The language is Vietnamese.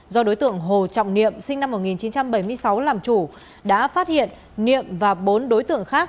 do đối tượng hồ trọng niệm sinh năm một nghìn chín trăm bảy mươi sáu làm chủ đã phát hiện niệm và bốn đối tượng khác